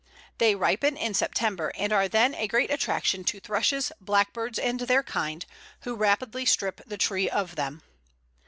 They ripen in September, and are then a great attraction to thrushes, blackbirds, and their kind, who rapidly strip the tree of them.